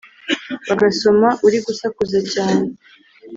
bagasoma uri gusakuza cyane